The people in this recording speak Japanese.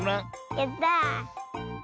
やった！